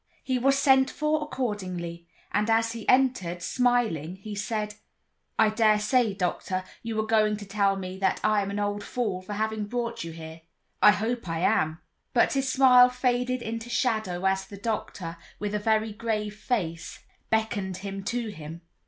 He was sent for accordingly, and as he entered, smiling, he said: "I dare say, doctor, you are going to tell me that I am an old fool for having brought you here; I hope I am." But his smile faded into shadow as the doctor, with a very grave face, beckoned him to him.